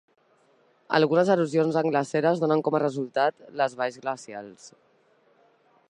Algunes erosions en glaceres donen com a resultat les valls glacials.